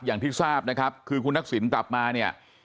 อย่างที่ทราบนะครับคือคุณทักษิณกลับมาเนี่ย